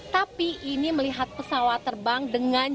tapi ini melihat pesawat terbang dengan